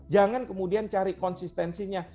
jangan kemudian cari konsistensinya